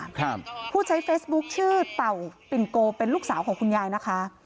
ครับผู้ใช้เฟซบุ๊คชื่อเต่าปิ่นโกเป็นลูกสาวของคุณยายนะคะ